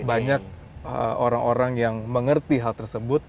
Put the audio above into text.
banyak orang orang yang mengerti hal tersebut